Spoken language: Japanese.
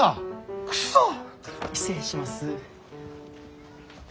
失礼します。